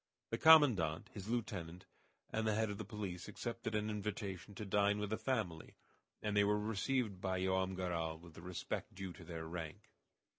The commandant, his lieutenant, and the head of the police accepted an invitation to dine with the family, and they were received by Joam Garral with the respect due to their rank.